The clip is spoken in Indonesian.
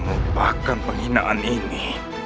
lupakan penghinaan ini